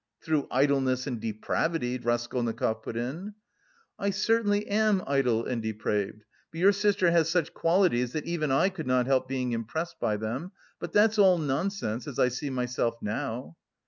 "Through idleness and depravity," Raskolnikov put in. "I certainly am idle and depraved, but your sister has such qualities that even I could not help being impressed by them. But that's all nonsense, as I see myself now."